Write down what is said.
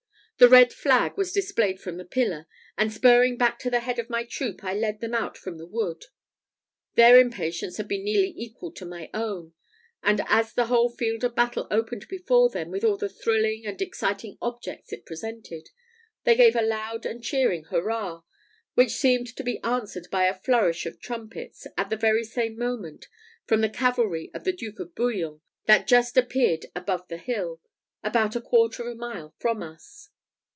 The red flag was displayed from the pillar; and spurring back to the head of my troop, I led them out from the wood. Their impatience had been nearly equal to my own; and, as the whole field of battle opened before them with all the thrilling and exciting objects it presented, they gave a loud and cheering hurrah, which seemed to be answered by a flourish of trumpets, at the very same moment, from the cavalry of the Duke of Bouillon that just appeared above the hill, about a quarter of a mile from us.